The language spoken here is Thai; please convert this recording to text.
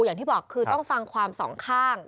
อย่างที่บอกคือต้องฟังความสองข้าง